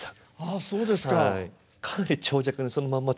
あそうですか。